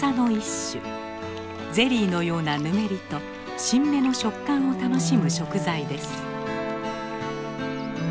ゼリーのようなぬめりと新芽の食感を楽しむ食材です。